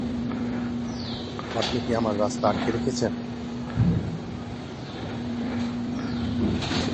আপনি আমার রাস্তা আটকে রেখেছেন।